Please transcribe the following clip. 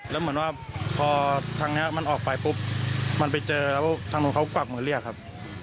แล้วเหมือนว่าพอทางนี้มันออกไปปุ๊บมันไปเจอแล้วทางนู้นเขากวักมือเรียกครับ